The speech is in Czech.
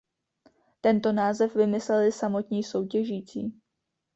Tento název vymysleli samotní soutěžící.